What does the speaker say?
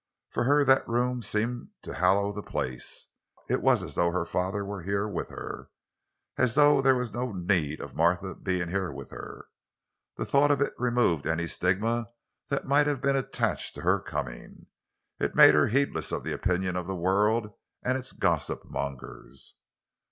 For her that room seemed to hallow the place. It was as though her father were here with her; as though there were no need of Martha being here with her. The thought of it removed any stigma that might have been attached to her coming; it made her heedless of the opinion of the world and its gossip mongers.